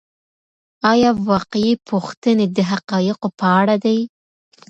آيا واقعي پوښتنې د حقایقو په اړه دي؟